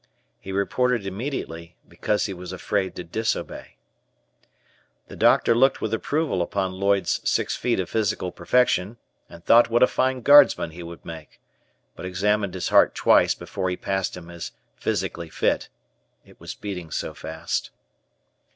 He reported immediately, because he was afraid to disobey. The doctor looked with approval upon Lloyd's six feet of physical perfection, and thought what a fine guardsman he would make, but examined his heart twice before he passed him as "physically fit"; it was beating so fast.